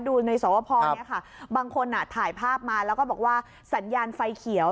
ดูในสวพอเนี่ยค่ะบางคนถ่ายภาพมาแล้วก็บอกว่าสัญญาณไฟเขียว